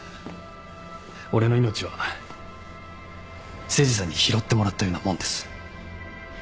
俺の命は誠司さんに拾ってもらったようなもんです。